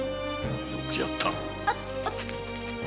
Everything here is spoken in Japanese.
よくやった。